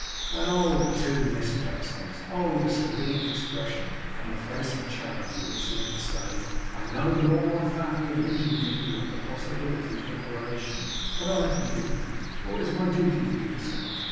And, oh, the two Miss Pecksniffs! Oh, the serene expression on the face of Charity, which seemed to say, 'I know that all my family have injured me beyond the possibility of reparation, but I forgive them, for it is my duty so to do!